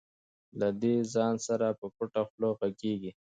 دی له ځان سره په پټه خوله غږېږي.